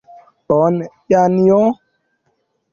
Bone, Janjo?